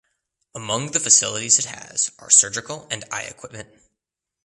Among the facilities it has are surgical and eye equipment.